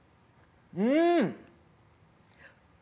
うん！